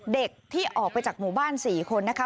เด็กที่ออกไปจากหมู่บ้าน๔คนนะคะ